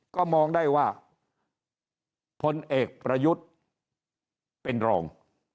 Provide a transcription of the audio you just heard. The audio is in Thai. ก็มองได้ว่าพลเอกประยุทธ์เป็นรอง